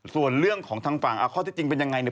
ส่วนเรื่องของทางฝั่งข้อที่จริงเป็นอย่างไร